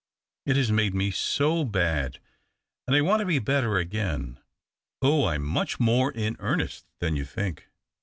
It has made me so bad, and I want to be better again. Oh, I'm much more in earnest than you think